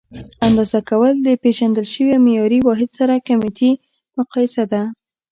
اندازه کول: له پېژندل شوي او معیاري واحد سره کمیتي مقایسه ده.